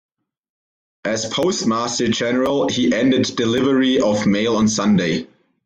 As Postmaster General he ended delivery of mail on Sunday.